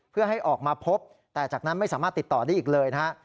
เพื่อให้ออกมาพบแต่จากนั้นไม่สามารถติดต่อได้อีกเลยนะฮะ